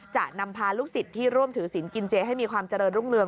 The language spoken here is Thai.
จะนำพาลูกศิษย์ที่ร่วมถือศิลปกินเจให้มีความเจริญรุ่งเรือง